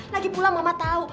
lagi pula mama tau